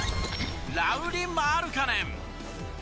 ラウリ・マルカネン。